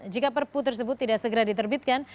jika perpu tersebut tidak segera diterbitkan